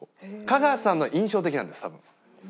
香川さんのは印象的なんです多分。